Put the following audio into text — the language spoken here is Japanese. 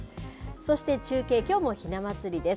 そして中継、きょうもひな祭りです。